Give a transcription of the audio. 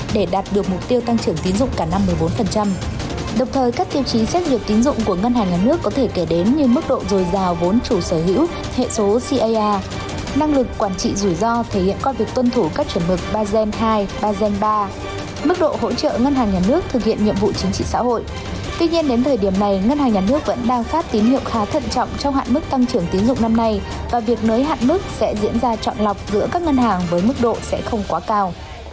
và việc nới hạn mức sẽ diễn ra trọng lọc giữa các ngân hàng với mức độ sẽ không quá cao